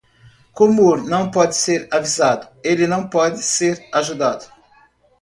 Komur não pode ser avisado, ele não pode ser ajudado.